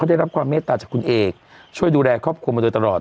ได้รับความเมตตาจากคุณเอกช่วยดูแลครอบครัวมาโดยตลอด